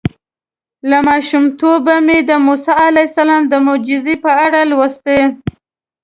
له ماشومتوبه مې د موسی علیه السلام د معجزو په اړه لوستي.